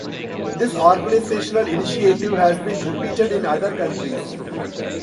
This organisational initiative has been repeated in other countries.